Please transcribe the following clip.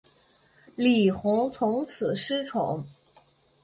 李弘从此失宠。